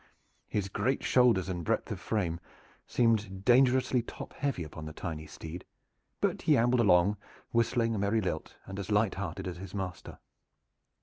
His great shoulders and breadth of frame seemed dangerously top heavy upon the tiny steed, but he ambled along, whistling a merry lilt and as lighthearted as his master.